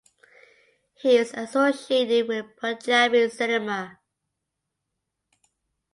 He is associated with Punjabi cinema.